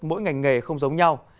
mỗi ngành nghề không giống nhau